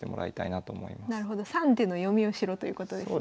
３手の読みをしろということですね。